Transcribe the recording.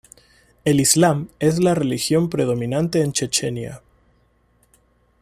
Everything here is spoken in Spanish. El islam es la religión predominante en Chechenia.